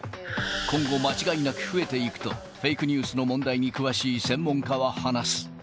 今後、間違いなく増えていくと、フェイクニュースの問題に詳しい専門家は話す。